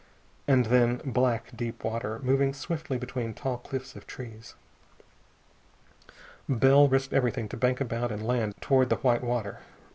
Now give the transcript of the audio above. And then black, deep water, moving swiftly between tall cliffs of trees. Bell risked everything to bank about and land toward the white water.